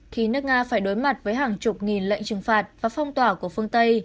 khi nước nga phải đối mặt với hàng chục nghìn lệnh trừng phạt và phong tỏa của phương tây